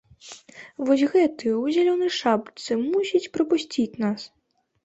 Вось гэты ў зялёнай шапцы мусіць прапусціць нас.